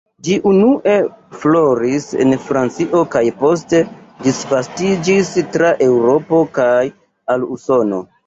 Ĝi unue floris en Francio kaj poste disvastiĝis tra Eŭropo kaj al Usono.